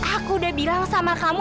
aku udah bilang sama kamu